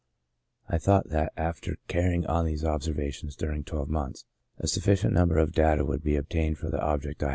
I thought that, after carrying on these observations during twelve months, a sufficient number of data would be obtained for the object I had in view.